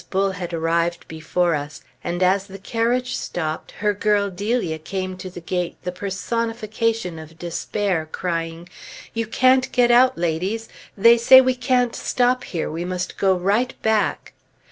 Bull had arrived before us; and as the carriage stopped, her girl Delia came to the gate the personification of despair, crying, "You can't get out, ladies. They say we can't stop here; we must go right back."